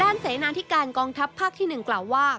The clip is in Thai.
เสนาธิการกองทัพภาคที่๑กล่าวว่า